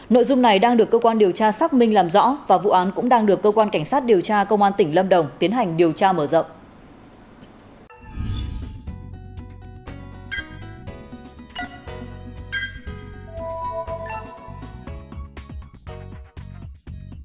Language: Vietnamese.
nội dung này đang được cơ quan điều tra xác minh làm rõ và vụ án cũng đang được cơ quan cảnh sát điều tra công an tỉnh lâm đồng tiến hành điều tra mở rộng